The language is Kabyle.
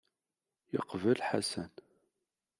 Yeqbel Ḥasan.